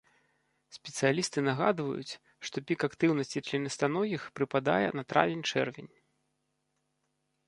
Спецыялісты нагадваюць, што пік актыўнасці членістаногіх прыпадае на травень-чэрвень.